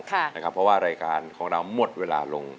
เพราะว่ารายการของเราหมดเวลาลง